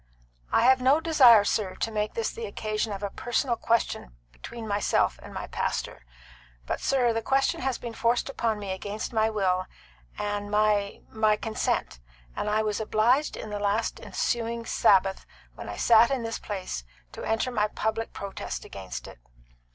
"I have no desire, sir, to make this the occasion of a personal question between myself and my pastor. But, sir, the question has been forced upon me against my will and my my consent; and I was obliged on the last ensuing Sabbath, when I sat in this place, to enter my public protest against it.